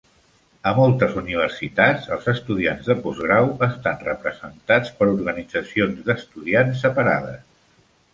A moltes universitats, els estudiants de postgrau estan representats per organitzacions d'estudiants separades.